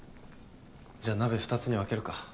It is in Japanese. じゃあ鍋２つに分けるか。